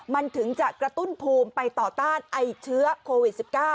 มันถึงจะกระตุ้นภูมิไปต่อต้านไอ้เชื้อโควิด๑๙